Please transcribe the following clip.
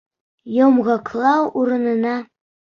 Йомғаҡлау урынына